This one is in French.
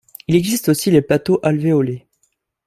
Il existe aussi les plateaux alvéolés.